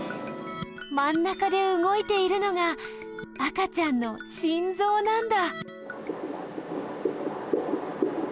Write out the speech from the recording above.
まん中でうごいているのが赤ちゃんの心ぞうなんだ